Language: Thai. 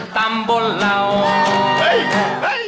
ตามบนเรา